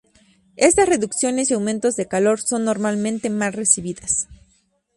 Estas reducciones y aumentos de calor son normalmente mal recibidas.